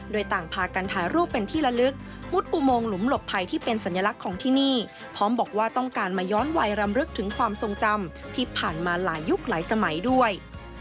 โดยต่างพากันถ่ายรูปเป็นที่ละลึกมุดอุโมงหลุมหลบภัยที่เป็นสัญลักษณ์ของที่นี่พร้อมบอกว่าต้องการมาย้อนวัยรำลึกถึงความทรงจำที่ผ่านมาหลายยุคหลายสมัยด้วย